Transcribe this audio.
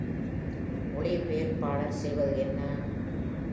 மொழிபெயர்ப்பாளர் செய்வது என்ன?